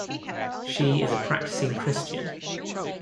She is a practicing Christian.